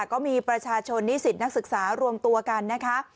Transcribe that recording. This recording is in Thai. ก็มีประชาชนนิสิตนักศึกษารวมตัวกันนะคะ